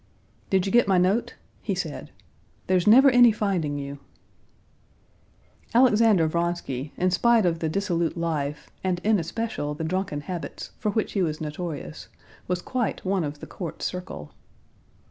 "Did you get my note?" he said. "There's never any finding you." Alexander Vronsky, in spite of the dissolute life, and in especial the drunken habits, for which he was notorious, was quite one of the court circle.